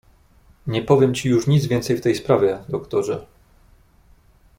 "Nie powiem ci już nic więcej w tej sprawie, doktorze."